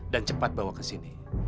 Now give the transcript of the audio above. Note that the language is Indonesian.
cepat bawa ke sini